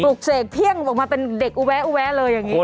ปลูกเสกเพี้ยงออกมาเป็นเด็กอุแวะเลยอย่างนี้